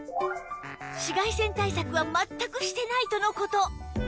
紫外線対策は全くしてないとの事